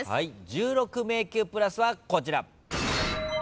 １６迷宮プラスはこちら。